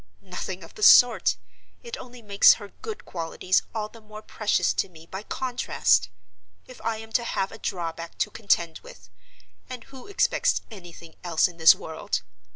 Nothing of the sort—it only makes her good qualities all the more precious to me by contrast. If I am to have a drawback to contend with—and who expects anything else in this world?